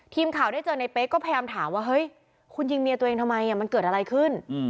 ทีมข่าวได้เจอในเป๊กก็พยายามถามว่าเฮ้ยคุณยิงเมียตัวเองทำไมมันเกิดอะไรขึ้น